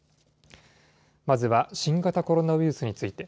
まずは新型コロナウイルスについて。